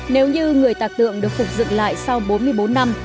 nếu như người tạc tượng được phục dựng lại sau bốn mươi bốn năm